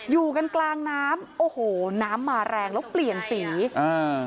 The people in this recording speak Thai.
อยู่กันกลางน้ำโอ้โหน้ำมาแรงแล้วเปลี่ยนสีอ่า